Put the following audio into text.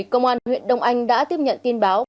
cơ quan huyện đông anh đã tiếp nhận tin báo